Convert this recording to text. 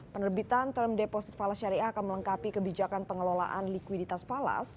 penerbitan term deposit falas syariah akan melengkapi kebijakan pengelolaan likuiditas falas